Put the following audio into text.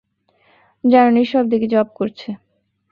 যেন নিঃশব্দে কী জপ করছে।